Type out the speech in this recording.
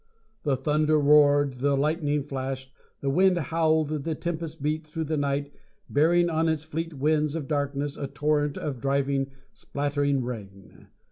The thunder roared; the lightning flashed; the wind howled; the tempest beat through the night, bearing on its fleet winds of darkness a torrent of driving, splattering rain.